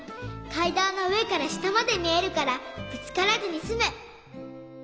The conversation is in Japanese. かいだんのうえからしたまでみえるからぶつからずにすむ。